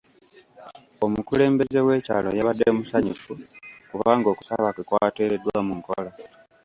Omukulembeze w'ekyalo yabadde musanyufu kubanga okusaba kwe kwateereddwa mu nkola.